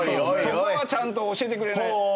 そこはちゃんと教えてくれないと。